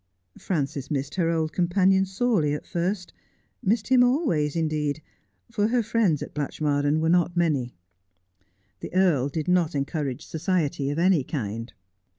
Frances missed her old companion sorely at first, missed him always, indeed, for her friends at Blatchmardean were not many. The earl did not encourage society of any kind.